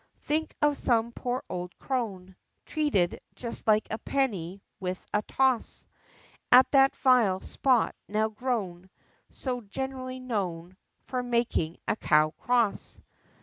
Think of some poor old crone Treated, just like a penny, with a toss! At that vile spot now grown So generally known For making a Cow Cross!